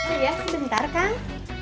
iya sebentar kang